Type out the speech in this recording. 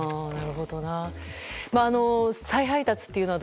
再配達というのは